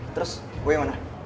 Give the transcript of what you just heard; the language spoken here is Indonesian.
terus boy gimana